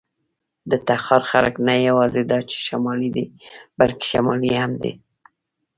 د تخار خلک نه یواځې دا چې شمالي دي، بلکې شمالي هم دي.